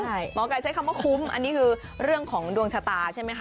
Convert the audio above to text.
หมอไก่ใช้คำว่าคุ้มอันนี้คือเรื่องของดวงชะตาใช่ไหมคะ